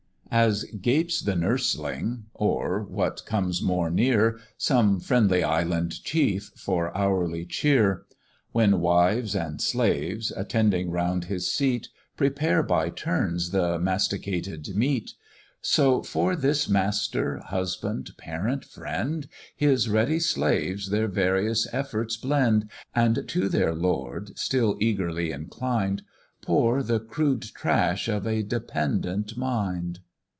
As gapes the nursling, or, what comes more near, Some Friendly Island chief, for hourly cheer; When wives and slaves, attending round his seat, Prepare by turns the masticated meat; So for this master, husband, parent, friend, His ready slaves their various efforts blend, And, to their lord still eagerly inclined, Pour the crude trash of a dependent mind.